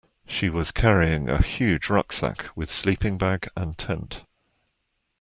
She was carrying a huge rucksack, with sleeping bag and tent